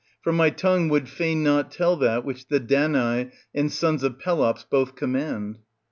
for my tongue would fain not tell that which the Danai and sons of Pelops both command.